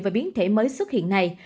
về biến thể mới xuất hiện này